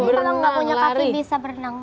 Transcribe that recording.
kalau nggak punya kaki bisa berenang